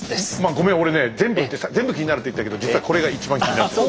ごめん俺ね全部気になるって言ったけど実はこれが一番気になってる。